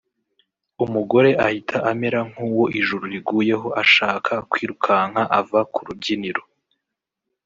umugore ahita amera nk’uwo ijuru riguyeho ashaka kwirukanka ava ku rubyiniro